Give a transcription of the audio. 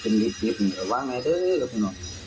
ไม่ได้มาอภัยเถอะ